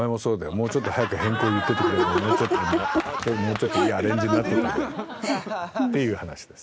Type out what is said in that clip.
もうちょっと早く変更を言っててくれればもうちょっともうちょっといいアレンジになってたよ。っていう話です。